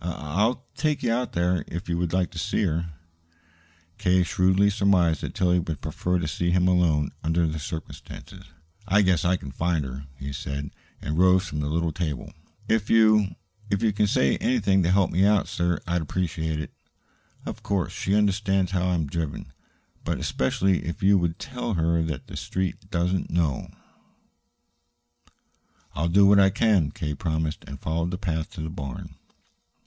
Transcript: I I'll take you out there, if you would like to see her." K. shrewdly surmised that Tillie would prefer to see him alone, under the circumstances. "I guess I can find her," he said, and rose from the little table. "If you if you can say anything to help me out, sir, I'd appreciate it. Of course, she understands how I am driven. But especially if you would tell her that the Street doesn't know " "I'll do all I can," K. promised, and followed the path to the barn.